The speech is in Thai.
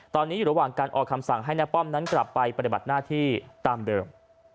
ตอนนี้อยู่ระหว่างการออกคำสั่งให้น้าป้อมนั้นกลับไปปฏิบัติหน้าที่ตามเดิม